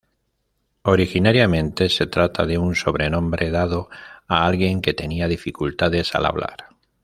Originariamente se trata de un sobrenombre dado a alguien que tenía dificultades al hablar.